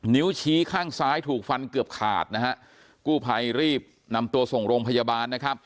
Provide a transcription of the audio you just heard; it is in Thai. นิ้วชี้ข้างซ้ายถูกฟันเกือบขาดนะฮะกู้ภัยรีบนำตัวส่งโรงพยาบาลนะครับ